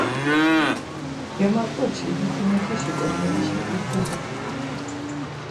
Germaǩoçi hukyumet̆işi ǩonağişa igzalu doren.